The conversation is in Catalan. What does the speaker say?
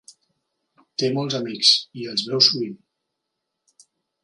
Té molts amics i els veu sovint.